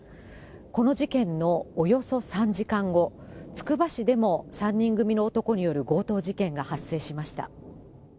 この事件のおよそ３時間後、つくば市でも３人組の男による強盗事件が発生しました。